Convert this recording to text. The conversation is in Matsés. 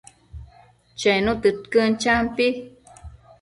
Chenu tëdquën, champi